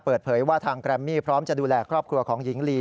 เปิดเผยว่าทางแกรมมี่พร้อมจะดูแลครอบครัวของหญิงลี